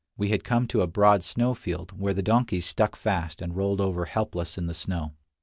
We had come to a broad snow field where the donkeys stuck fast and rolled over helpless in the snow.